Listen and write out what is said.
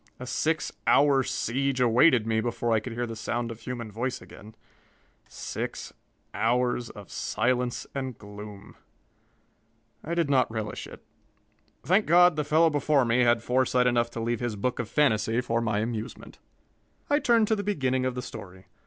A six hour siege awaited me before I could hear the sound of human voice again six hours of silence and gloom. I did not relish it. Thank God the fellow before me had had foresight enough to leave his book of fantasy for my amusement! I turned to the beginning of the story.